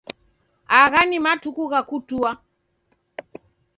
Agha ni matuku gha kutua